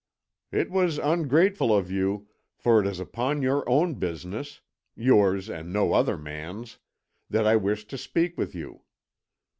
"It was ungrateful of you, for it is upon your own business yours and no other man's that I wished to speak with you.